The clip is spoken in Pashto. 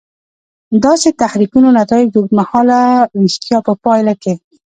داسې تحریکونو نتایج د اوږد مهاله ویښتیا په پایله کې.